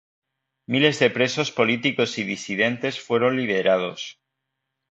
Miles de presos políticos y disidentes fueron liberados.